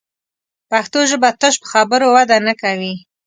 پښتو ژبه تش په خبرو وده نه کوي